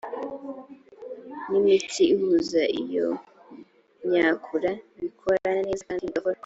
n imitsi ihuza iyo myakura bikorana neza kandi bigakora